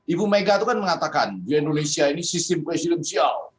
ibu mega itu kan mengatakan indonesia ini sistem presidenial